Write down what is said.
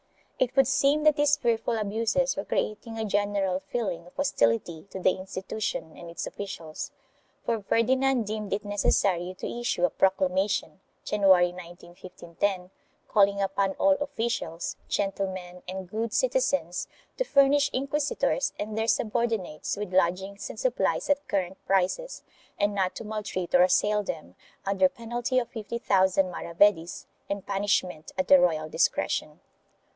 It would seem that these fearful abuses were creating a general feeling of hostility to the institution and its officials, for Ferdinand deemed it necessary to issue a proclamation, January 19, 1510, calling upon all officials, gentlemen and good citizens to furnish inquisitors and their subordinates with lodgings and supplies at current prices and not to maltreat or assail them, under penalty of 50,000 maravedis and punishment at the royal discretion.